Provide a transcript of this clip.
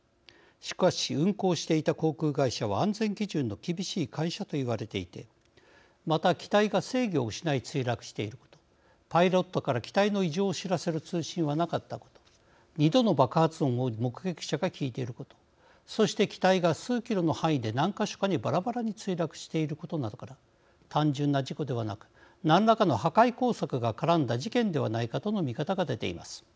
しかし、運航していた航空会社は安全基準の厳しい会社と言われていてまた、機体が制御を失い墜落していることパイロットから機体の異常を知らせる通信はなかったこと２度の爆発音を目撃者が聞いていることそして、機体が数キロの範囲で何か所かに、ばらばらに墜落していることなどから単純な事故ではなく何らかの破壊工作が絡んだ事件ではないかとの見方が出ています。